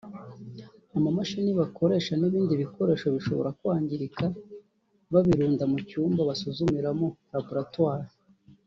amamashini bakoresha n’ibindi bikoresho bishobora kwangirika babirunda mu cyumba basuzumiramo (Laboratory)